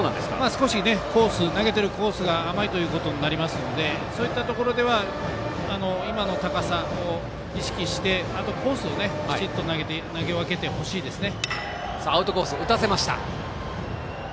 少し、投げてるコースが甘いことになりますのでそういったところでは今の高さを意識してあとはコースをきちっと投げ分けてほしいですね。